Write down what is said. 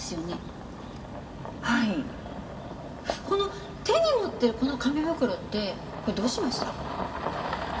この手に持ってるこの紙袋ってこれどうしました？